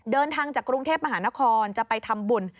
เดินทางจากกรุงเทพมหานครจะไปทำบุญ